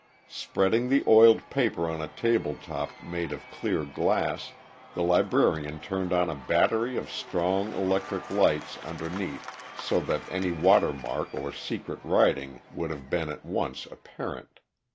Spreading the oiled paper on a table top made of clear glass, the Librarian turned on a battery of strong electric lights underneath so that any watermark or secret writing would have been at once apparent.